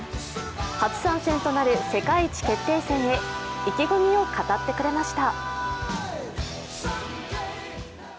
初参戦となる世界一決定戦へ意気込みを語ってくれました。